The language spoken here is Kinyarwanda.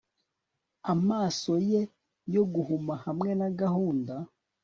Amaso ye yo guhuma hamwe na gahunda